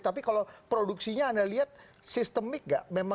tapi kalau produksinya anda lihat sistemik gak